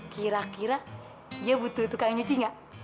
kira kira dia butuh tukang nyuci ga